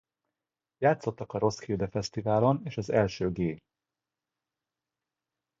Játszottak a Roskilde Festivalon és az első G!